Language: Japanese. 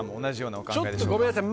ごめんなさい。